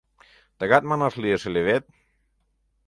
Тыгат манаш лиеш ыле вет.